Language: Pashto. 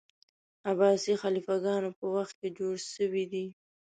عباسي خلیفه ګانو په وخت کي جوړ سوی دی.